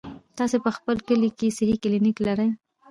تاسې په خپل کلي کې صحي کلينيک لرئ؟